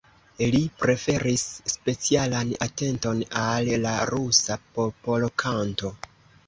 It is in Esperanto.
Li preferis specialan atenton al la rusa popolkanto.